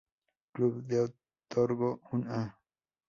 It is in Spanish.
Club de otorgó un A-.